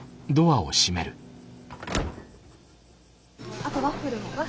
あとワッフルも。